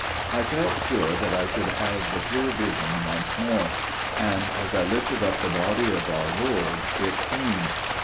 I felt sure that I should have the clear vision once more: and as I lifted up the Body of our Lord, it came.